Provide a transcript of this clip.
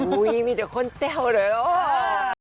อุ๊ยมีเด็กค้นเต้าเลยอ่ะ